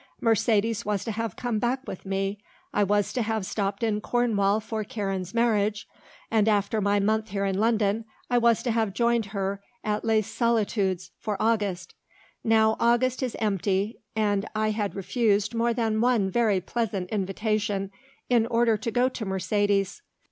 "Mercedes was to have come back with me, I was to have stopped in Cornwall for Karen's marriage and after my month here in London I was to have joined her at Les Solitudes for August. Now August is empty and I had refused more than one very pleasant invitation in order to go to Mercedes.